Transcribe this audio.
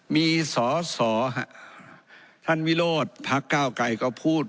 มีสอสอท่านวิโรธพักเก้าไกรก็พูด